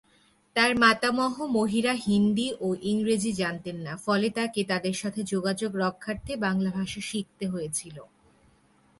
তার মাতামহ-মহীরা হিন্দি ও ইংরেজি জানতেন না, ফলে তাকে তাদের সাথে যোগাযোগ রক্ষার্থে বাংলা ভাষা শিখতে হয়েছিল।